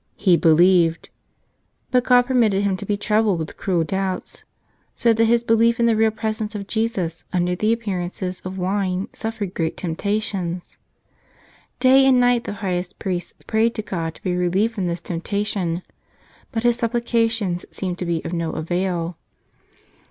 He believed. But God permitted him to be troubled with cruel doubts, so that his be¬ lief in the Real Presence of Jesus under the appear¬ ances of wine suffered great temptations. Day and night the pious priest prayed to God to be relieved from this temptation. But his supplications seemed to be of no avail.